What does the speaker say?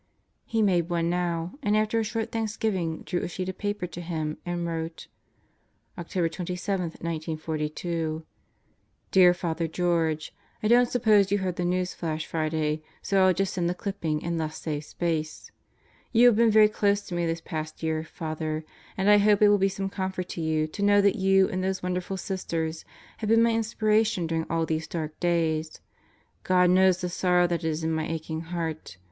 He made one now, and after a short thanksgiving, drew a sheet of paper to him and wrote: October 27, 1942 Dear Father George: I don't suppose you heard the news flash Friday, so 111 just send the clipping and thus save space. ... You have been very close to me this past year, Father, and I hope it will be some comfort to you to know that you and those wonderful Sisters have been my inspiration during all these dark days. ... God knows the sorrow that is in my aching heart.